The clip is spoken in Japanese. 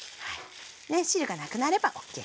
汁がなくなればＯＫです。